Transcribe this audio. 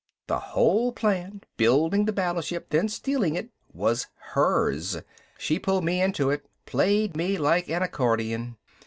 The whole plan, building the battleship, then stealing it, was hers. She pulled me into it, played me like an accordion.